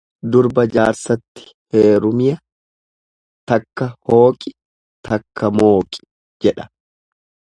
Durba jaarsatti heerumie takka hooqi takka mooqi jedha.